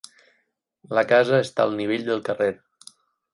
La casa està al nivell del carrer.